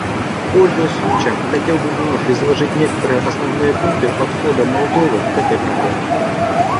Пользуясь случаем, хотел бы вновь изложить некоторые основные пункты подхода Молдовы к этой проблеме.